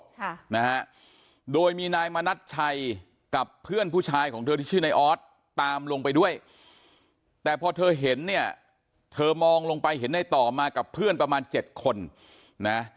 ค่ะนะฮะโดยมีนายมณัชชัยกับเพื่อนผู้ชายของเธอที่ชื่อในออสตามลงไปด้วยแต่พอเธอเห็นเนี่ยเธอมองลงไปเห็นในต่อมากับเพื่อนประมาณเจ็ดคนนะ